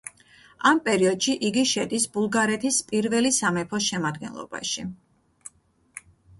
ამ პერიოდში იგი შედის ბულგარეთის პირველი სამეფოს შემადგენლობაში.